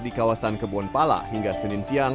di kawasan kebun pala hingga senin siang